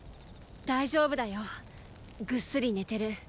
⁉大丈夫だよぐっすり寝てる。